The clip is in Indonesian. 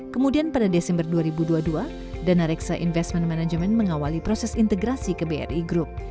kemudian pada desember dua ribu dua puluh dua dana reksa investment management mengawali proses integrasi ke bri group